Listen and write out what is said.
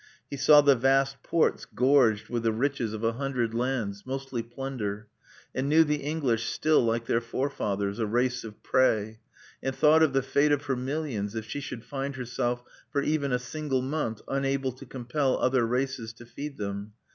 He saw the vast ports gorged with the riches of a hundred lands, mostly plunder; and knew the English still like their forefathers, a race of prey; and thought of the fate of her millions if she should find herself for even a single month unable to compel other races to feed them.